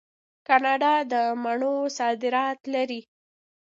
کاناډا د مڼو صادرات لري.